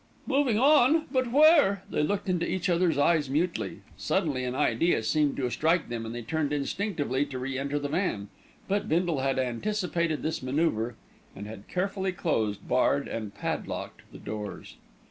"Moving on; but where?" They looked into each other's eyes mutely. Suddenly an idea seemed to strike them and they turned instinctively to re enter the van; but Bindle had anticipated this manoeuvre, and had carefully closed, barred and padlocked the doors.